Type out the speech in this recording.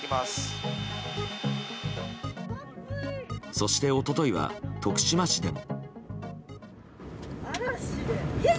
そして一昨日は徳島市でも。